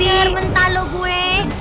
iya bener mentah lo gue